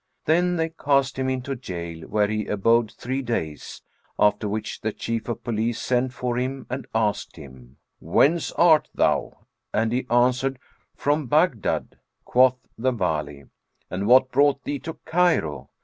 Then they cast him into jail, where he abode three days; after which the Chief of Police sent for him and asked him, "Whence art thou?"; and he answered, "From Baghdad." Quoth the Wali, "And what brought thee to Cairo?"